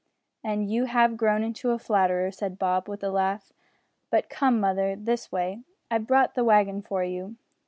"And you have grown into a flatterer," said Bob, with a laugh. "But come, mother, this way; I've brought the wagon for you.